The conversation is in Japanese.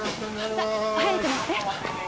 さあ早く乗って。